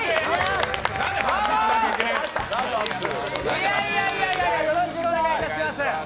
いやいやいや、よろしくお願いします。